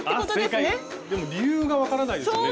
でも理由が分からないですよね